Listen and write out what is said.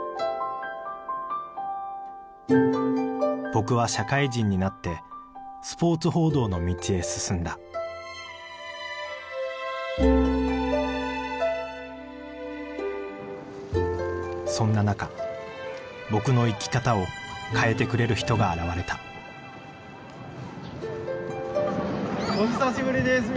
僕は社会人になってスポーツ報道の道へ進んだそんな中僕の生き方を変えてくれる人が現れたお久しぶりです